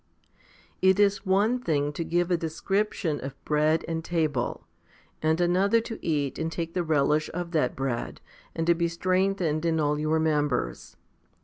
12. It is one thing to give a description of bread and table, and another to eat and take the relish of that bread, and to be strengthened in all your members.